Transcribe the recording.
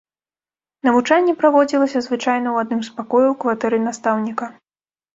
Навучанне праводзілася звычайна ў адным з пакояў кватэры настаўніка.